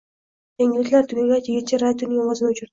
Yangiliklar tugagach, yigitcha radioning ovozini o`chirdi